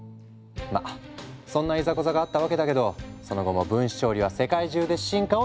まあそんないざこざがあったわけだけどその後も分子調理は世界中で進化を続けている。